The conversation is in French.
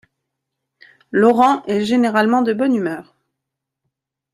Laurent est généralement de bonne humeur.